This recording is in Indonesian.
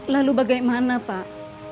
lalu bagaimana pak